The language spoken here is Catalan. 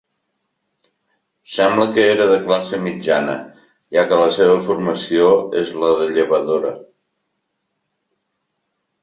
Sembla que era de classe mitjana, ja que la seva formació és la de llevadora.